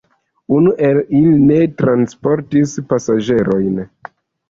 Unu el ili ne transportis pasaĝerojn.